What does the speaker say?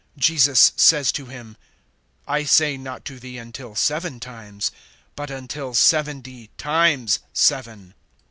(22)Jesus says to him: I say not to thee, until seven times, but until seventy times seven.